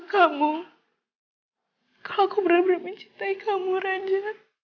kamu kalau aku benar benar mencintai kamu raja